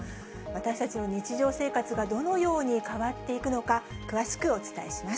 私たちの日常生活がどのように変わっていくのか、詳しくお伝えします。